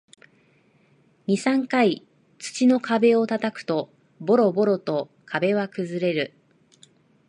二、三回土の壁を叩くと、ボロボロと壁は崩れる